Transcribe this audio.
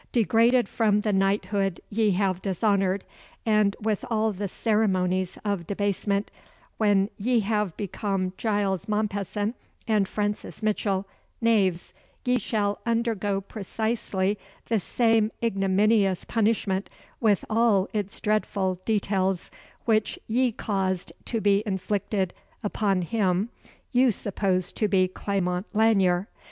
"Degraded from the knighthood ye have dishonoured, and with all the ceremonies of debasement, when ye have become Giles Mompesson and Francis Mitchell, knaves, ye shall undergo precisely the same ignominious punishment, with all its dreadful details, which ye caused to be inflicted upon him you supposed to be Clement Lanyere.